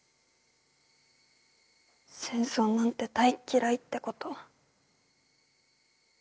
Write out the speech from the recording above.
戦争なんて大っ嫌いってこと。